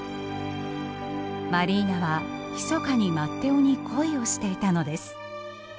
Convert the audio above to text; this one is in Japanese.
マリーナはひそかにマッテオに恋をしていたのです。